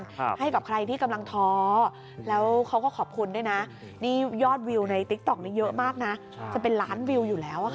ถ้าไม่ทันนะครับมันไม่เสียหายอะไรเลย